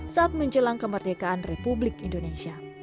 saat menjelang kemerdekaan republik indonesia